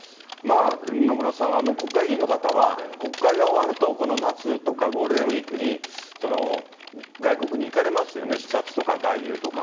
野村さん、国会議員の方は、国会が終わるとこの夏とかゴールデンウィークに外国に行かれますよね、視察とか外遊とか。